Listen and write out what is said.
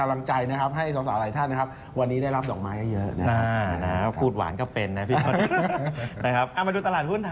รถรายแมนต์หรืออุเบอร์